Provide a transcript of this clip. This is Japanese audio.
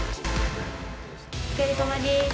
お疲れさまです。